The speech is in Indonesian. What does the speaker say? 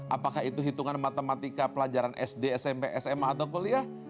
apakah itu hitungan matematika pelajaran sd smp sma atau kuliah